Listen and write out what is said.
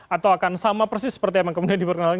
atau akan sama persis seperti apa yang kemudian diperkenalkan